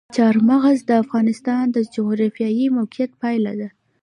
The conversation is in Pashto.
چار مغز د افغانستان د جغرافیایي موقیعت پایله ده.